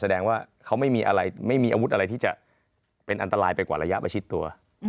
แสดงว่าเขาไม่มีอะไรไม่มีอาวุธอะไรที่จะเป็นอันตรายไปกว่าระยะประชิดตัว